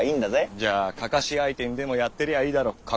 じゃあカカシ相手にでもやってりゃあいいだろ。